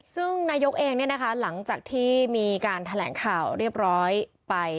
ซึ่งนายกเองหลังจากที่มีการแถลงข่าวเรียบร้อยไป